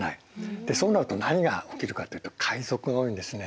でそうなると何が起きるかというと海賊が多いんですね。